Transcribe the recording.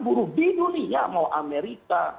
buruh di dunia mau amerika